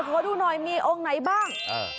โอ้ยเดี๋ยวดูหน่อยมีองค์ไหนบ้าง